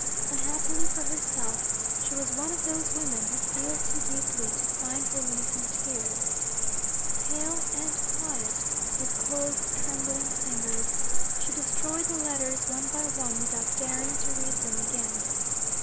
Unhappily for herself, she was one of those women who feel too deeply to find relief in tears. Pale and quiet, with cold trembling fingers, she destroyed the letters one by one without daring to read them again.